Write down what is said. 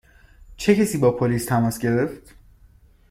چه کسی با پلیس تماس گرفت؟